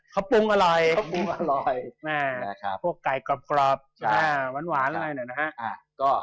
เขาปรุงอร่อยพวกไก่กรอบหวานอะไรหน่อยนะครับ